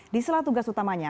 di salah tugas utamanya